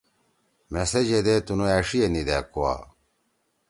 مھیسیت یدے تنو أݜی ئے ندأ کوا۔